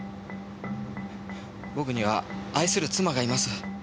僕には愛する妻がいます。